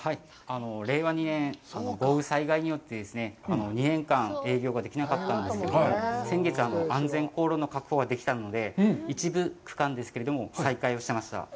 令和２年豪雨災害によって２年間、営業ができなかったんですけれども、先月、安全航路の確保ができたので、一部区間ですけれども、再開をしました。